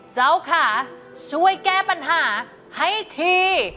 เจ้าค่ะช่วยแก้ปัญหาให้ที